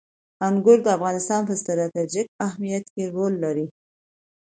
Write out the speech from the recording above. انګور د افغانستان په ستراتیژیک اهمیت کې رول لري.